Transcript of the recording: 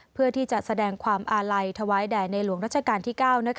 เพื่อที่จะแสดงความอาลัยถวายแด่ในหลวงรัชกาลที่๙